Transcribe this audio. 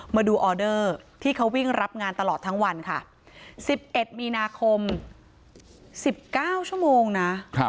มาดูออเดอร์ที่เขาวิ่งรับงานตลอดทั้งวันค่ะ๑๑มีนาคม๑๙ชั่วโมงนะ